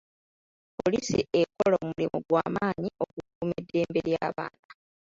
Poliisi ekola omulimu gwa maanyi okukuuma eddembe ly'abaana.